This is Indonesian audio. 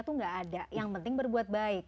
itu nggak ada yang penting berbuat baik